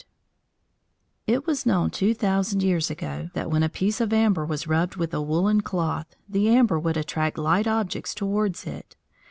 ] APPENDIX It was known two thousand years ago that when a piece of amber was rubbed with a woollen cloth, the amber would attract light objects towards it.